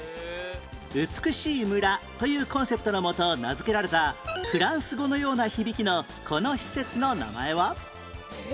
美しい村というコンセプトのもと名付けられたフランス語のような響きのこの施設の名前は？え？